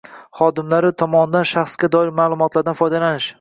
xodimlari tomonidan shaxsga doir ma’lumotlardan foydalanish